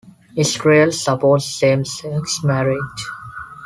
Israel supports same-sex marriage.